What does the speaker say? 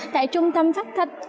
tại trung tâm phát thanh